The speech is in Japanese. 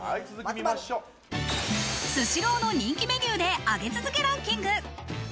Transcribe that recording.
スシローの人気メニューで上げ続けランキング。